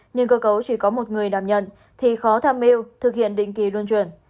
nhưng cơ cấu chỉ có một người đảm nhận thì khó tham mưu thực hiện định kỳ luân chuyển